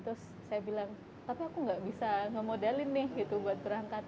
terus saya bilang tapi aku nggak bisa ngemodelin nih gitu buat berangkat